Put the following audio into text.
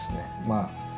まあ